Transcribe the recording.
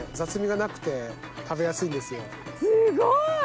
すごい！